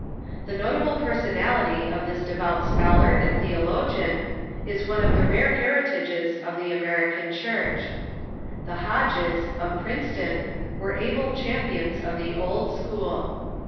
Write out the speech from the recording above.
The noble personality of this devout scholar and theologian is one of the rare heritages of the American Church. The Hodges, of Princeton, were able champions of the Old School.